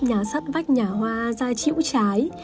nhà sắt vách nhà hoa ra chịu trái